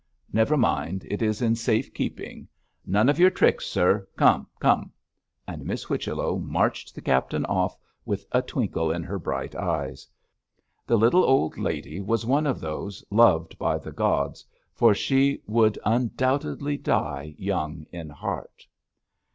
Never mind, it is in safe keeping. None of your tricks, sir. Come, come!' and Miss Whichello marched the captain off with a twinkle in her bright eyes. The little old lady was one of those loved by the gods, for she would undoubtedly die young in heart.